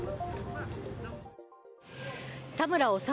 田村修